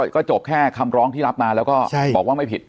ก็จบแค่คำร้องที่รับมาแล้วก็บอกว่าไม่ผิด